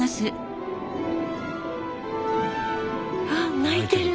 あっ泣いてる。